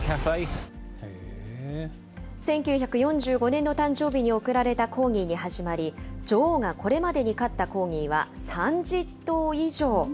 １９４５年の誕生日に贈られたコーギーに始まり、女王がこれまでに飼ったコーギーは３０頭以上。